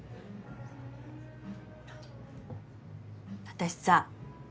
私さ